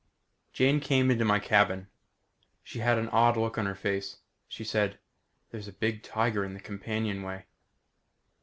Jane came into my cabin. She had an odd look on her face. She said, "There's a big tiger in the companionway."